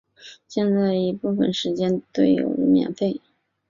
现在已部分时间对游人免费。